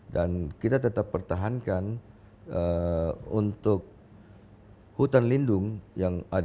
dan kita tetap pertahankan untuk hutan lindung yang ada di wilayah